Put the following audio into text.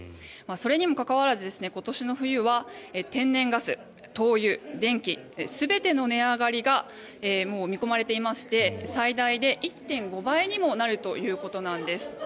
それにもかかわらず今年の冬は天然ガス、灯油、電気全ての値上がりが見込まれていまして最大で１．５倍にもなるということなんです。